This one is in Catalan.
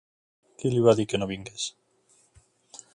Qui li va dir que no vingués?